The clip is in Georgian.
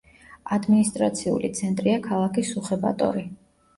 ადმინისტრაციული ცენტრია ქალაქი სუხე-ბატორი.